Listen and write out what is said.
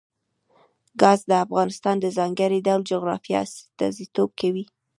ګاز د افغانستان د ځانګړي ډول جغرافیه استازیتوب کوي.